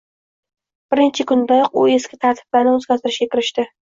— birinchi kundanoq u eski tartiblarni o‘zgartirishga kirishdi.